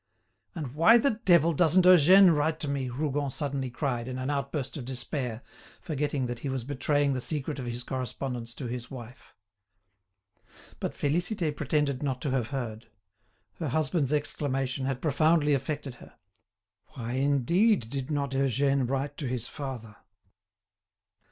"And why the devil doesn't Eugène write to me?" Rougon suddenly cried, in an outburst of despair, forgetting that he was betraying the secret of his correspondence to his wife. But Félicité pretended not to have heard. Her husband's exclamation had profoundly affected her. Why, indeed, did not Eugène write to his father?